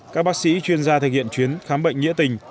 các bác sĩ chuyên gia thực hiện chuyến khám bệnh nghĩa tình